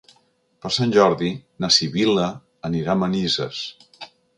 Per Sant Jordi na Sibil·la anirà a Manises.